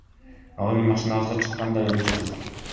Ал эми машинабызга чыккан да өзүнчө кызык.